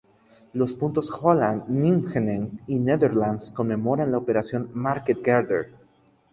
Los puntos Holland, Nijmegen y Netherlands conmemoran la Operación Market-Garden.